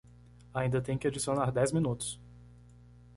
Ainda tem que adicionar dez minutos